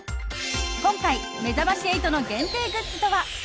今回、めざまし８の限定グッズとは。